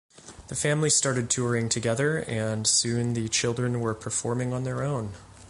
The family started touring together, and soon the children were performing on their own.